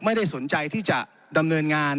ไม่ได้สนใจที่จะดำเนินงาน